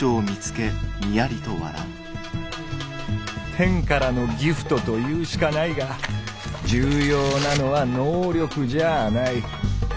天からの「ギフト」と言うしかないが重要なのは「能力」じゃあない。